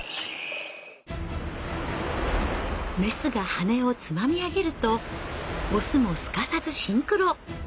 メスが羽をつまみ上げるとオスもすかさずシンクロ。